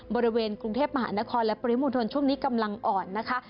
บริเวณกรุงเทพมหานครและปริมณฑลช่วงนี้กำลังอ่อนนะคะ